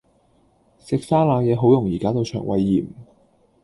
食生冷野好容易搞到腸胃炎